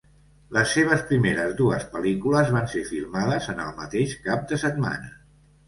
Les seves primeres dues pel·lícules van ser filmades en el mateix cap de setmana.